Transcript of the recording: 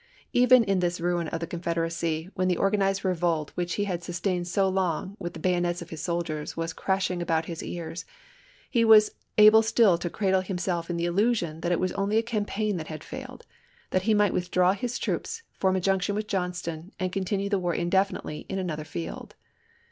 Even in this ruin of the Confederacy, when the organized revolt which he had sustained so long with the bayonets of his soldiers was crash ing about his ears, he was able still to cradle him self in the illusion that it was only a campaign that had failed ; that he might withdraw his troops, form a junction with Johnston, and continue the war indefinitely in another field.